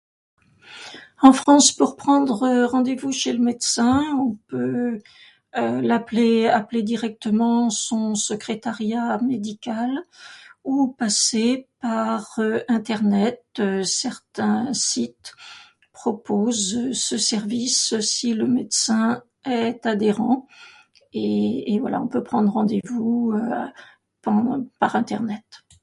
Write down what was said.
En France, pour prendre rendez-vous chez le médecin, on peut l'appeler, appeler directement son secrétariat médical ou passer par internet, certains sites proposent ce service si le médecin est adhérent, et, et voilà, on peut prendre rendez-vous par, par internet.